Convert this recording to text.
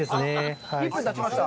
１分たちました。